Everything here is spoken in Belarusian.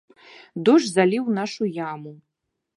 Дождж заліў нашу яму.